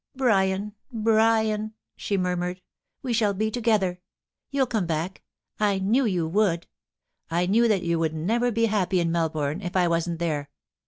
* Brian, Brian !* she murmured, ' we shall be together. YouH come back — I knew you would I knew that you would never be happy in Melbourne if I wasn't there.